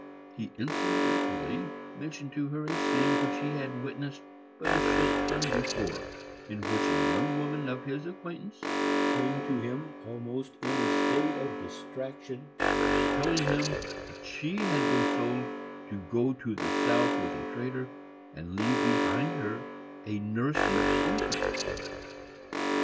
He incidentally mentioned to her a scene which he had witnessed but a short time before, in which a young woman of his acquaintance came to him almost in a state of distraction, telling him that she had been sold to go South with a trader, and leave behind her a nursing infant.